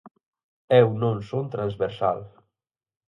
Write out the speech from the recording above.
Eu non son transversal.